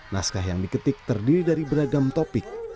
naskah yang diketik terdiri dari beragam topik